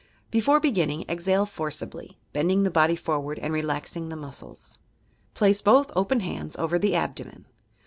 Before beginning, exhale forcibly, bending the body forward, and relaxing the muscles. Place both open hands over the abdomen.